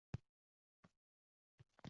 balki ushbu guruhlarning har biri